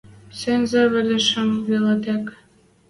Сӹнзӓвӹдшӹм вилӓ тек.